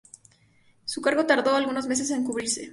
Su cargo tardó algunos meses en cubrirse.